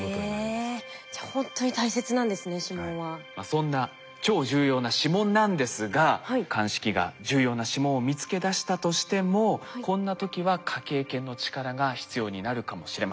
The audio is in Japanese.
そんな超重要な指紋なんですが鑑識が重要な指紋を見つけ出したとしてもこんな時は科警研の力が必要になるかもしれません。